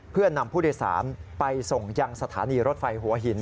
เพื่อนำผู้โดยสารไปส่งยังสถานีรถไฟหัวหิน